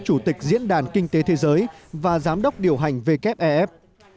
chủ tịch diễn đàn kinh tế thế giới và giám đốc điều hành wef